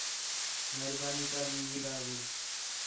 مہربانی کر مینجی ڳالھ ٻُجھ